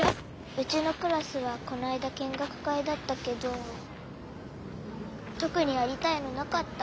うちのクラスはこないだ見学会だったけどとくにやりたいのなかった。